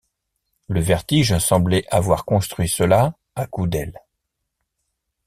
Le vertige semblait avoir construit cela à coups d’aile.